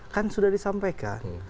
kan sudah disampaikan